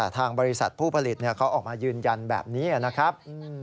ทางบริษัทผู้ผลิตเขาออกมายืนยันแบบนี้นะครับ